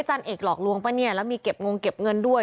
เอกหลอกลวงป่ะเนี่ยแล้วมีเก็บงงเก็บเงินด้วย